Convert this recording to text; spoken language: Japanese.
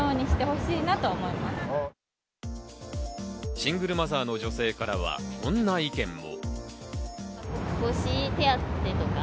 シングルマザーの女性からは、こんな意見も。